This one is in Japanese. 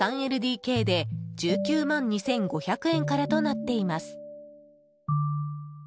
３ＬＤＫで１９万２５００円からとなっています。